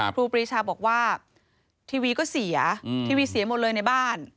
ครูปรีชาบอกว่าทีวีก็เสียทีวีเสียหมดเลยในบ้าน